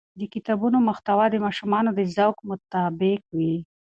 د کتابونو محتوا د ماشومانو د ذوق مطابق وي.